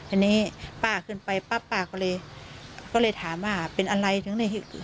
อันนี้ป้าขึ้นไปป๊าก็เลยถามว่าเป็นอะไรถึงเนี่ย